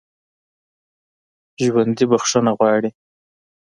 ژوندي بخښنه غواړي